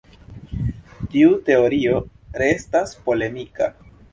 Tiu teorio restas polemika.